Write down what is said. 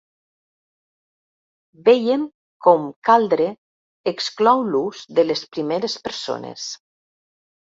Vèiem com “caldre” exclou l'ús de les primeres persones.